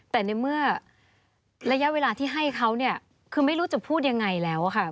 แต่ในเมื่อระยะเวลาที่ให้เขาเนี่ยคือไม่รู้จะพูดยังไงแล้วค่ะ